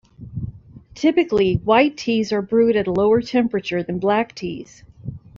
Typically, white teas are brewed at a lower temperature than black teas.